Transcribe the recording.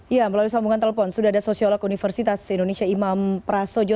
ya melalui sambungan telepon sudah ada sosiolog universitas indonesia imam prasojo